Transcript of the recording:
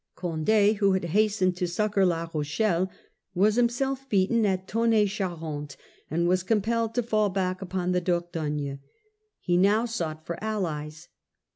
Condd, who had hastened to succour La Rochelle, was himself beaten at Tonnai Charente, and was compelled to fall back upon the Dordogne. He now sought for allies.